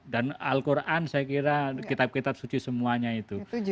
dan al quran saya kira kitab kitab suci semuanya itu